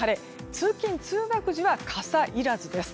通勤・通学時は傘いらずです。